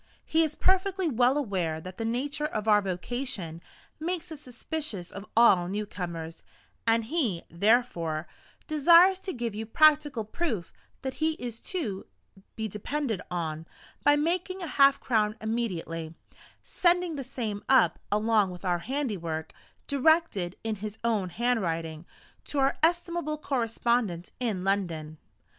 He is perfectly well aware that the nature of our vocation makes us suspicious of all newcomers, and he, therefore, desires to give you practical proof that he is to be depended on, by making half a crown immediately, and sending the same up, along with our handiwork, directed in his own handwriting, to our estimable correspondents in London.